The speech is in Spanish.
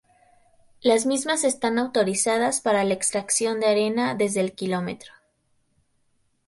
Las mismas están autorizadas para la extracción de arena desde el km.